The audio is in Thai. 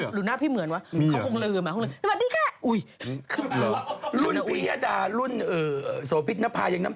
หรือหน้าพี่เหมือนว่ะ